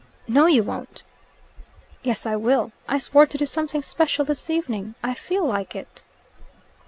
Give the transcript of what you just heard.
"No, you won't." "Yes, I will. I swore to do something special this evening. I feel like it."